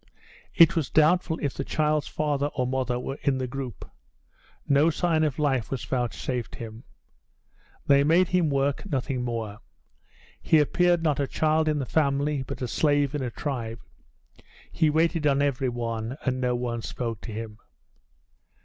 It was doubtful if the child's father or mother were in the group; no sign of life was vouchsafed him. They made him work, nothing more. He appeared not a child in a family, but a slave in a tribe. He waited on every one, and no one spoke to him.